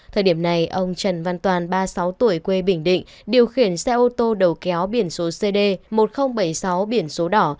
thời điểm này ông trần văn toàn ba mươi sáu tuổi quê bình định điều khiển xe ô tô đầu kéo biển số cd một nghìn bảy mươi sáu biển số đỏ